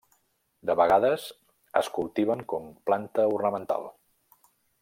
De vegades es cultiven com planta ornamental.